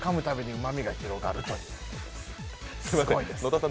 たびにうまみが広がるという。